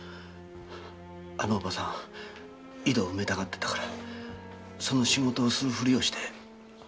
あのおばさんは井戸を埋めたがってたからその仕事をする振りをして運び出せると思う。